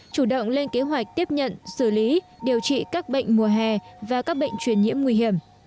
chủ động lên kế hoạch tiếp nhận xử lý điều trị các bệnh mùa hè và các bệnh truyền nhiễm nguy hiểm